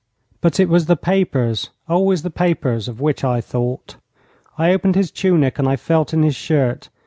But it was the papers always the papers of which I thought. I opened his tunic and I felt in his shirt.